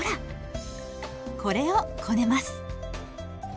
これをこねます。